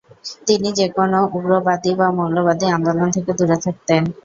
তিনি যেকোন উগ্রবাদী বা মৌলবাদী আন্দোলন থেকে দূরে থাকতেন।